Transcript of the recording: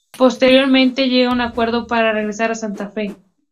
Posteriormente llega a un acuerdo para regresar a Santa Fe.